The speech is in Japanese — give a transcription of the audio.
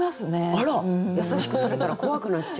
あらっ優しくされたら怖くなっちゃう。